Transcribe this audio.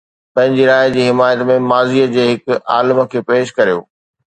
پنهنجي راءِ جي حمايت ۾ ماضيءَ جي هڪ عالم کي پيش ڪريو.